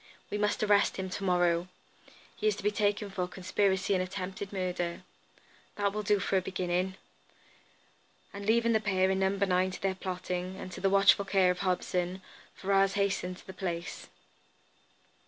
We must arrest him to morrow. He is to be taken for conspiracy and attempted murder. That will do for a beginning." And leaving the pair in No. 9 to their plotting, and to the watchful care of Hobson, Ferrars hastened from the place.